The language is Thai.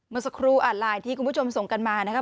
เมื่อสักครู่อ่านไลน์ที่คุณผู้ชมส่งกันมานะครับ